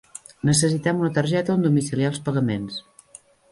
Necessitem una targeta on domiciliar els pagaments.